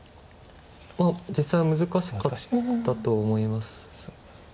まあ実際は難しかったと思います。